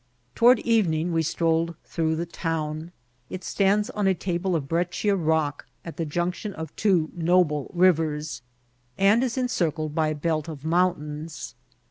Toward evening we strolled through the town. It atandB <m a taUe of breccia rock, at the junction of two BoUe riyersy and is encircled by a belt of mountains.